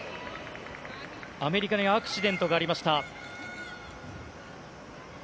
アメリカにアクシデントがありました。